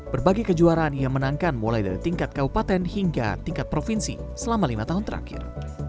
berbagai kejuaraan ia menangkan mulai dari tingkat kabupaten hingga tingkat provinsi selama lima tahun terakhir